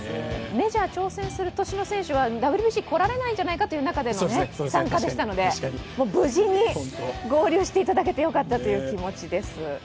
メジャー挑戦する年の選手はＷＢＣ来られないんじゃないかという中での参加でしたので、無事に合流していただけてよかったという気持ちです。